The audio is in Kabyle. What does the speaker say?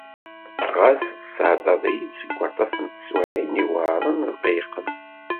Ɣas tesɛeddaḍ-iyi-d seg waṭas n teswiɛin iweɛṛen, iḍeyqen.